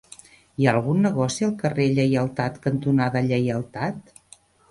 Hi ha algun negoci al carrer Lleialtat cantonada Lleialtat?